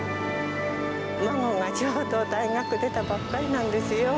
孫がちょうど大学出たばっかりなんですよ。